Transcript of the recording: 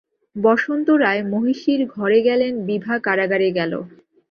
বসন্ত রায় মহিষীর ঘরে গেলেন, বিভা কারাগারে গেল।